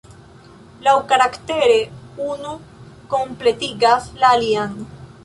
Laŭkaraktere unu kompletigas la alian.